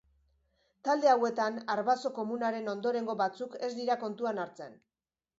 Talde hauetan arbaso komunaren ondorengo batzuk ez dira kontuan hartzen.